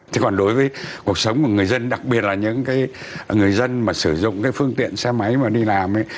thế còn đối với cuộc sống của người dân đặc biệt là những cái người dân mà sử dụng cái phương tiện xe máy mà đi làm ấy